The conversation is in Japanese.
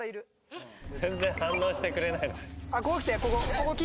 全然反応してくれない。